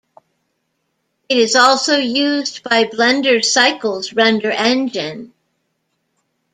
It is also used by Blender's Cycles render engine.